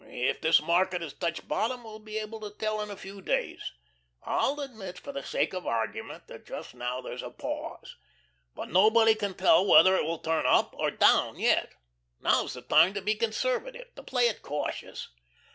If this market has touched bottom, we'll be able to tell in a few days. I'll admit, for the sake of argument, that just now there's a pause. But nobody can tell whether it will turn up or down yet. Now's the time to be conservative, to play it cautious."